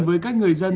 với các người dân